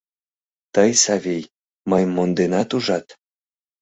Тый, Савий, мыйым монденат, ужат?